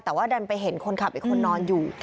แต่ว่าดันไปเห็นคนขับอีกคนนอนอยู่